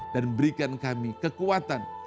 dan berikan kami kekuatan